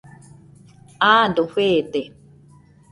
Aado feede.